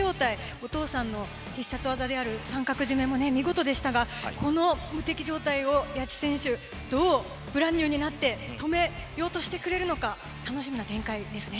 お父さんの必殺技である三角絞めも見事でしたがこの無敵状態を矢地選手どうブランニューになって止めようとしてくれるか楽しみな展開ですね。